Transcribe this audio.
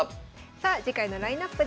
さあ次回のラインナップです。